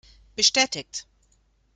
Bestätigt!